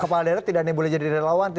kepala daerah tidak boleh jadi relawan